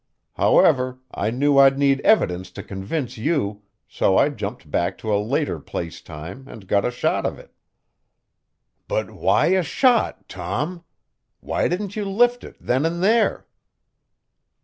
However, I knew I'd need evidence to convince you, so I jumped back to a later place time and got a shot of it." "But why a shot, Tom? Why didn't you lift it then and there?"